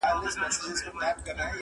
ما خوبونه وه لیدلي د بېړۍ د ډوبېدلو-